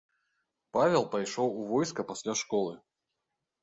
Павел пайшоў у войска пасля школы.